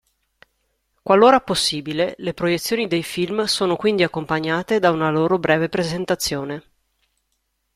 Qualora possibile, le proiezioni dei film sono quindi accompagnate da una loro breve presentazione.